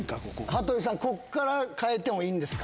羽鳥さん、ここから変えてもいいんですか？